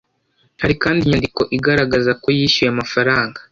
Hari kandi inyandiko igaragaza ko yishyuye amafaranga